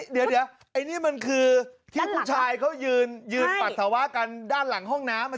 เดี๋ยวไอ้นี่มันคือที่ผู้ชายเขายืนปัสสาวะกันด้านหลังห้องน้ำ